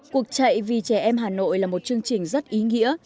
cuộc chạy vì trẻ em hà nội là một chương trình rất ý nghĩa